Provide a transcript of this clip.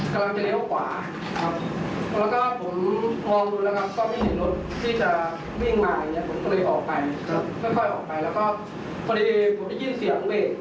ถ้าเขาแบบไม่ใช่ตำรวจอะไรอย่างนี้